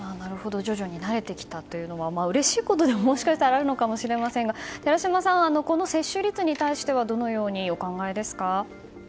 徐々に慣れてきたというのはうれしいことでももしかしたらあるのかもしれませんが寺嶋さん、接種率に対してはどのようにお考えですか？